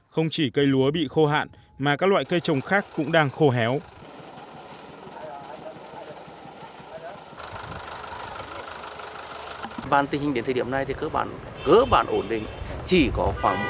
không chỉ cây lúa bị khô hạn mà các loại cây trồng khác cũng đang khô héo